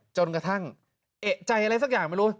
จนกระทั่งเอกใจอะไรสักอย่างไม่รู้